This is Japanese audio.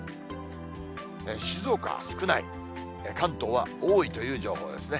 静岡は少ない、関東は多いという情報ですね。